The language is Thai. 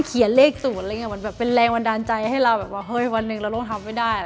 เขียนเลข๐เป็นแรงวันดาวน์ใจให้เราวันหนึ่งเราร่วมทำไม่ได้